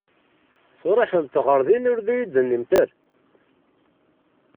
Tṛuḥemt ɣer din ur iyi-d-tennimt ara!